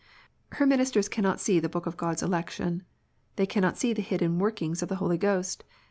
Her ministers cannot see the book of God s election. They cannot see the hidden workings of the Holy Ghost.